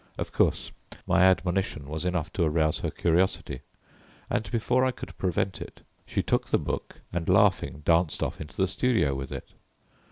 Of course my admonition was enough to arouse her curiosity, and before I could prevent it she took the book and, laughing, danced off into the studio with it.